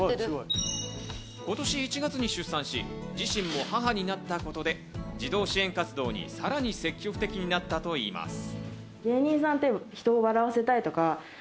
今年１月に出産し、自身も母になったことで児童支援活動にさらに積極的になったといいます。